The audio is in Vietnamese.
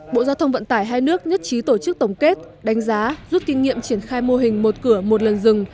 bộ giao thông vận tải hai nước nhất trí tổ chức tổng kết đánh giá rút kinh nghiệm triển khai mô hình một cửa một lần dừng